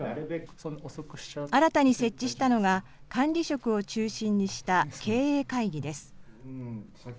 新たに設置したのが、管理職を中心にした経営会議です。